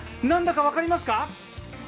何だか分かりますか？